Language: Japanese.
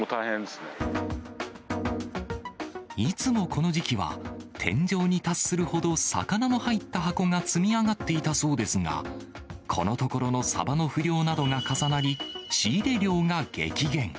いつもこの時期は、天井に達するほど魚の入った箱が積み上がっていたそうですが、このところのサバの不漁などが重なり、仕入れ量が激減。